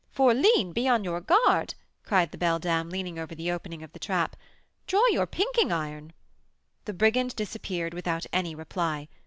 "Fourline, be on your guard," cried the beldam, leaning over the opening of the trap; "draw your 'pinking iron.'" The brigand disappeared without any reply.